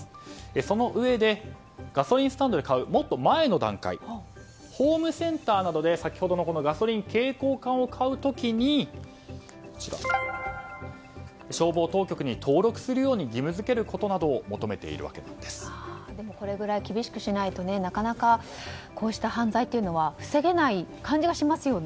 そのうえでガソリンスタンドで買う、もっと前の段階ホームセンターなどで先ほどのガソリン、携行缶を買う時に消防当局に登録するように義務付けることなどをこれぐらい厳しくしないとなかなかこうした犯罪というのは防げない感じがしますよね。